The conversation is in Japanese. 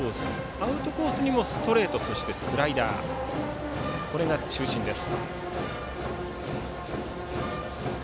アウトコースにも、ストレートそしてスライダーが中心です。